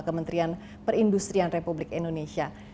kementerian perindustrian republik indonesia